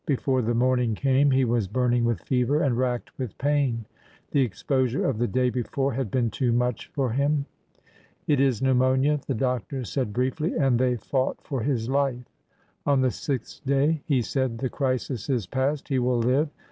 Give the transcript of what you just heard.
Before the morning came he was burning with fever and racked with pain. The exposure of the day before had been too much for him. It is pneumonia/' the doctor said briefly, and they fought for his life. On the sixth day he said, The crisis is past. He will live.